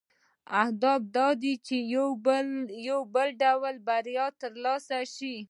هدف دا دی چې یو ډول بریا ترلاسه شي.